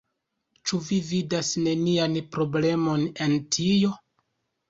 Ĉu vi vidas nenian problemon en tio?